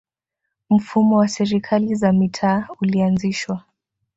mfumo wa serikali za mitaa ulianzishwa